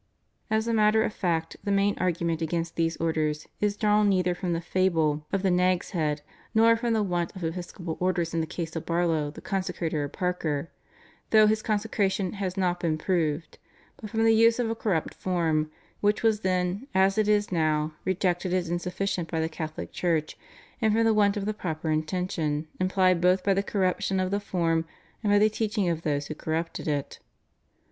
As a matter of fact the main argument against these Orders is drawn neither from the fable of the Nag's Head nor from the want of episcopal orders in the case of Barlow, the consecrator of Parker, though his consecration has not been proved, but from the use of a corrupt form, which was then as it is now rejected as insufficient by the Catholic Church, and from the want of the proper intention implied both by the corruption of the form and by the teaching of those who corrupted it.